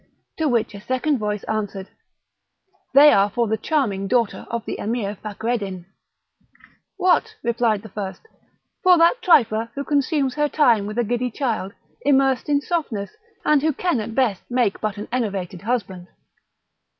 To which a second voice answered: "They are for the charming daughter of the Emir Fakreddin." "What," replied the first, "for that trifler, who consumes her time with a giddy child, immersed in softness, and who at best can make but an enervated husband?"